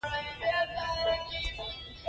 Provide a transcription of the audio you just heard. زه د پسرلي باران خوښوم.